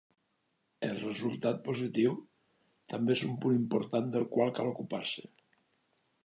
El resultat positiu també és un punt important del qual cal ocupar-se.